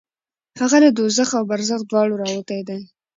هغه له دوزخ او برزخ دواړو راوتی دی.